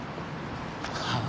はあ？